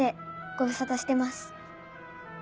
ご無沙汰してます。